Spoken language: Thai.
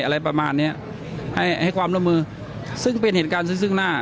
อะไรประมาณเนี้ยให้ให้ความร่วมมือซึ่งเป็นเหตุการณ์ซึ่งซึ่งหน้า